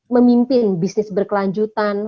memimpin bisnis berkelanjutan